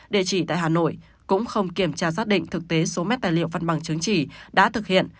địa chỉ tại hà nội cũng không kiểm tra xác định thực tế số mét tài liệu văn bằng chứng chỉ đã thực hiện